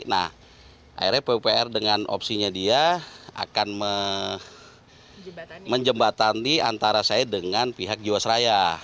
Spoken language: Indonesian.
nah akhirnya pupr dengan opsinya dia akan menjembatani antara saya dengan pihak jiwasraya